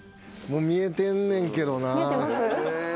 見えてんねんけどな。